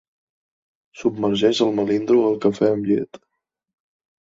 Submergeix el melindro al cafè amb llet.